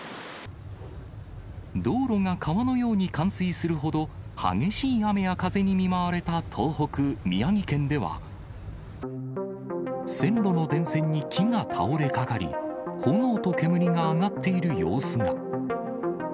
道路が川のように冠水するほど、激しい雨や風に見舞われた東北・宮城県では、線路の電線に木が倒れかかり、炎と煙が上がっている様子が。